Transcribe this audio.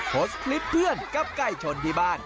โพสต์คลิปเพื่อนกับไก่ชนที่บ้าน